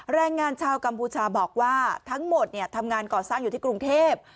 แรงงานชาวกัมพูชาบอกว่าทั้งหมดทำงานก่อสร้างอยู่ที่กรุงเทพ